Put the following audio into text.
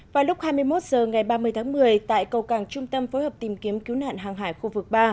vào lúc hai mươi một h ngày ba mươi tháng một mươi tại cầu cảng trung tâm phối hợp tìm kiếm cứu nạn hàng hải khu vực ba